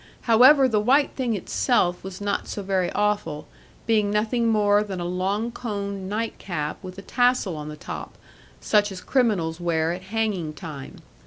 However, the white thing itself was not so very awful, being nothing more than a long coned night cap with a tassel on the top, such as criminals wear at hanging time.